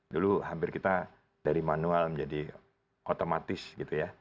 dulu hampir kita dari manual menjadi otomatis gitu ya